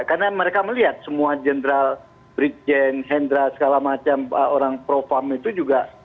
karena mereka melihat semua jenderal bridgen hendra segala macam orang profam itu juga